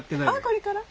これから？